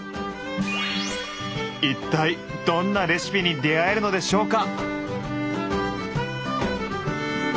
一体どんなレシピに出会えるのでしょうか？